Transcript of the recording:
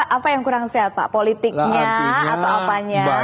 apa yang kurang sehat pak politiknya atau apanya